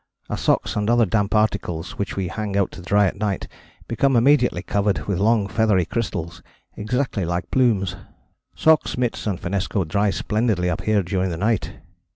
Our socks and other damp articles which we hang out to dry at night become immediately covered with long feathery crystals exactly like plumes. Socks, mitts and finnesko dry splendidly up here during the night.